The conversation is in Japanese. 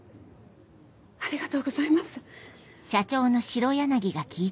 ありがとうございます！